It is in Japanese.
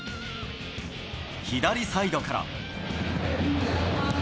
左サイドから。